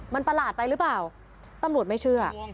มันประหลาดไปหรือเปล่าตำรวจไม่เชื่อ